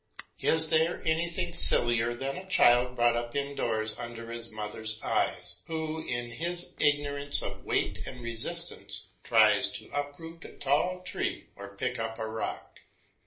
Is there anything sillier than a child brought up indoors under his mother's eye, who, in his ignorance of weight and resistance, tries to uproot a tall tree or pick up a rock.